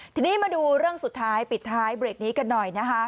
ทีนี้มาดูเรื่องสุดท้ายปิดท้ายเบรกนี้กันหน่อยนะคะ